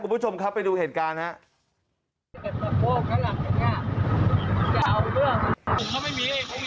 คุณผู้ชมครับไปดูเหตุการณ์ครับ